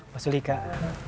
mas suli kak